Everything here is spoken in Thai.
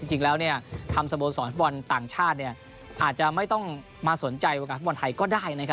จริงแล้วทำสโมสรฟุตบอลต่างชาติอาจจะไม่ต้องมาสนใจวงการฟุตบอลไทยก็ได้นะครับ